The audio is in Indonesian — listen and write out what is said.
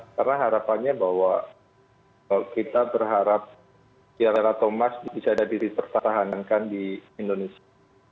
karena harapannya bahwa kita berharap tiara thomas bisa lebih dipertahankan di indonesia